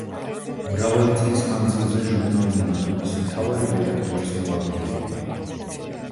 მრავალი წლის მანძილზე ჟურნალ „მნათობის“ მთავარი რედაქტორის მოადგილე იყო.